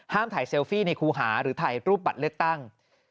ถ่ายเซลฟี่ในครูหาหรือถ่ายรูปบัตรเลือกตั้ง